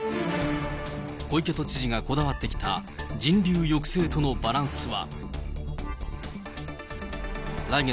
小池都知事がこだわってきた人流抑制とのバランスは。